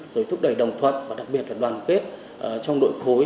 rồi thúc đẩy đồng thuận và đặc biệt là đoàn kết trong đội khối